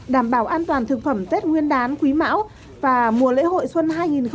đảm bảo an toàn thực phẩm tết nguyên đán quý mão và mùa lễ hội xuân hai nghìn hai mươi